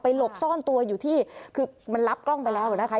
หลบซ่อนตัวอยู่ที่คือมันรับกล้องไปแล้วนะคะ